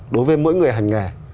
đối với mỗi người hành nghề